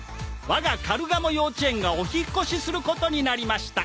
我がカルガモ幼稚園がお引っ越しすることになりました